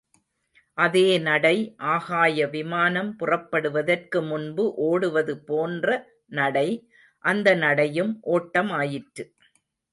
அதே நடை... ஆகாய விமானம் புறப்படுவதற்கு முன்பு ஒடுவது போன்ற நடை... அந்த நடையும் ஓட்டமாயிற்று.